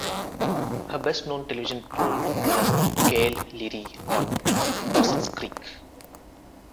Her best known television role was as Gail Leery on "Dawson's Creek".